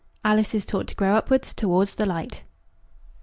Alice Is Taught to Grow Upwards, Towards the Light.